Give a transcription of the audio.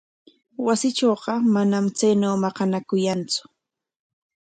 Wasiitrawqa manam chaynaw maqanakuyantsu.